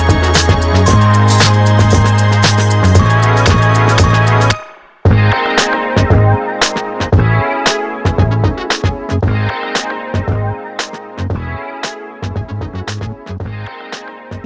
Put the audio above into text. tante seorang ngechat gue semalam